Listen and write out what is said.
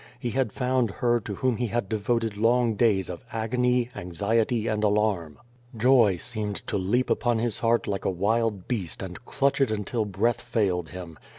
He had found her to whom he had devoted long days of agony, anxiety and alarm. Joy semed to leap upon his heart like a wild beast and clutch it until breath failed him.